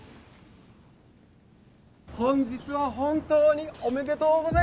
本日は本当におめでとうございます。